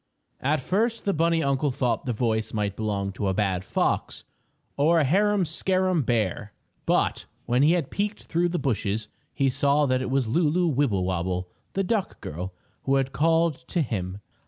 At first the bunny uncle thought the voice might belong to a bad fox or a harum scarum bear, but when he had peeked through the bushes he saw that it was Lulu Wibblewobble, the duck girl, who had called to him.